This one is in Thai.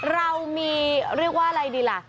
เรามีเรียกว่าอะไรดีล่ะ